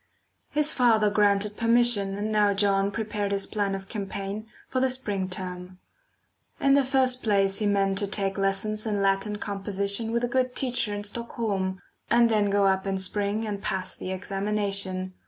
His father granted permission, and now John prepared his plan of campaign for the spring term. In the first place he meant to take lessons in Latin composition with a good teacher in Stockholm, and then go up in spring, and pass the examination.